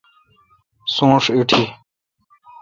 سونش ایٹی۔